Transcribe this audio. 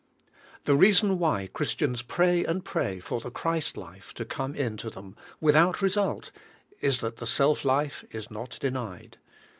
The reason why Christians pray and pray for the Christ life to come in to them, without result, is that the self life is not denied.